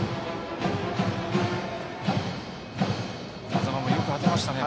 安座間もよく当てましたね。